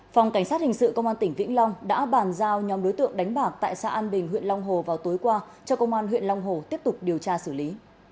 phòng cảnh sát hình sự công an tỉnh vĩnh long đã bàn giao nhóm đối tượng đánh bạc tại xã an bình huyện long hồ vào tối qua cho công an huyện long hồ tiếp tục điều tra xử lý